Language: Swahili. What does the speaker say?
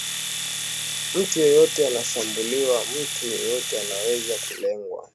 mtu yeyote anashambuliwa mtu yeyote anaweza kulengwa